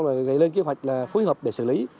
và gây lên kế hoạch phối hợp để xử lý